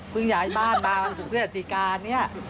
เพิ่งย้ายบ้านมาเพื่อนอาจารย์การนี่